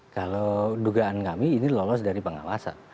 kalau dugaan kami ini lolos dari pengawasan